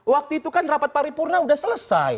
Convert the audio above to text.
waktu itu kan rapat paripurna sudah selesai